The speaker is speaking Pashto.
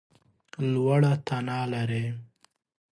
لوړه تنه لرې !